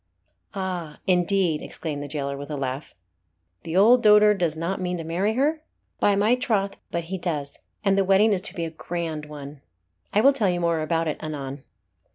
"Ah! indeed!" exclaimed the jailer, with a laugh. "The old dotard does not mean to marry her?" "By my troth but he does and the wedding is to be a grand one. I will tell you more about it anon."